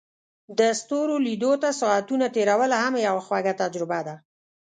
د ستورو لیدو ته ساعتونه تیرول هم یوه خوږه تجربه ده.